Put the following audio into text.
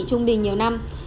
trung bình nhiều năm